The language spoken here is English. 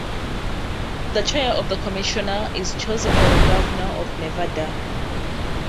The chair of the commissioner is chosen by the Governor of Nevada.